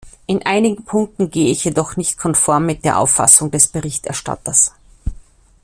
In einigen Punkten gehe ich jedoch nicht konform mit der Auffassung des Berichterstatters.